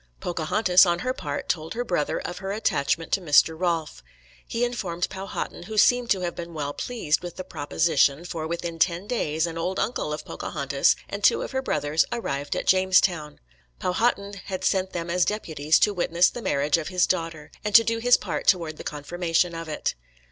Pocahontas, on her part, told her brother of her attachment to Mr. Rolfe. He informed Powhatan, who seemed to have been well pleased with the proposition, for within ten days an old uncle of Pocahontas and two of her brothers arrived at Jamestown. Powhatan had sent them as deputies to witness the marriage of his daughter, and to do his part toward the confirmation of it.